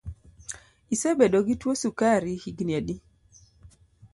Isebedo gi tuo sukari higni adi?